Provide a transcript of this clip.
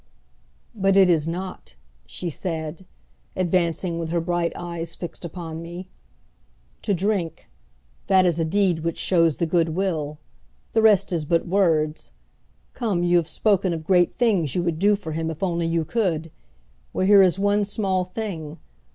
"But it is not," she said, advancing, with her bright eyes fixed upon me. "To drink that is a deed which shows the good will. The rest is but words. Come, you have spoken of great things you would do for him if only you could. Well, here is one small thing.